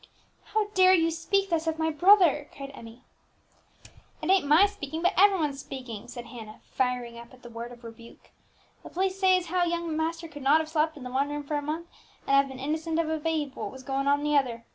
"How dare you speak thus of my brother?" cried Emmie. "It ain't my speaking, but every one's speaking," said Hannah, firing up at the word of rebuke. "The police say as how young master could not have slept in the one room for a month, and have been innocent as a babe of what was going on in the other.